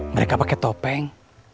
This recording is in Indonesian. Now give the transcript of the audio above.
mereka pakai topeng